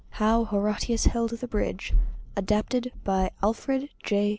HOW HORATIUS HELD THE BRIDGE ADAPTED BY ALFRED J.